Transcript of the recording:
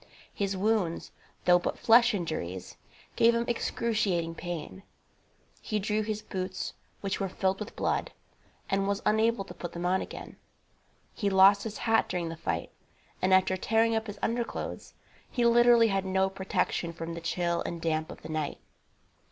His wounds, though but flesh injuries, gave him excruciating pain. He drew his boots, which were filled with blood, and was unable to put them on again. He lost his hat during the fight, and, after tearing up his underclothes, he literally had no protection from the chill and damp of the night.